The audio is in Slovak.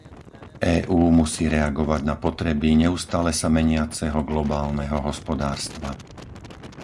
EÚ musí reagovať na potreby neustále sa meniaceho globálneho hospodárstva.